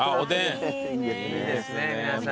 いいですね皆さん。